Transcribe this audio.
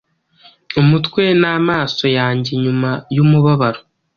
Umutwe namaso yanjyenyuma yumubabaro